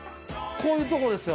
こういうとこですよ。